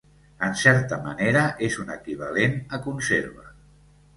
En certa manera és un equivalent a conserva.